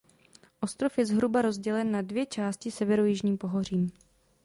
Ostrov je zhruba rozdělen na dvě části severojižním pohořím.